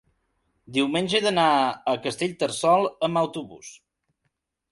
diumenge he d'anar a Castellterçol amb autobús.